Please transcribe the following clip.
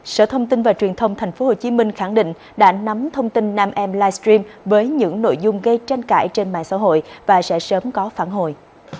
sở thông tin và truyền thông tp hcm khẳng định đã nắm thông tin nam em livestream với những nội dung gây tranh cãi trên mạng xã hội và sẽ sớm có phản hồi